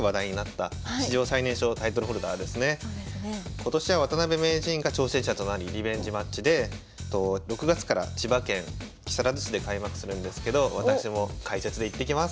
今年は渡辺名人が挑戦者となりリベンジマッチで６月から千葉県木更津市で開幕するんですけど私も解説で行ってきます。